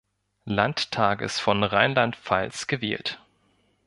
Landtages von Rheinland-Pfalz gewählt.